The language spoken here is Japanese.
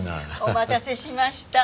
お待たせしました。